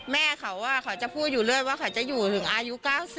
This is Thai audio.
แม่เขาจะพูดอยู่เรื่อยว่าเขาจะอยู่ถึงอายุ๙๐